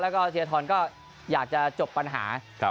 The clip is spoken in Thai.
แล้วก็เทียทรก็อยากจะจบปัญหา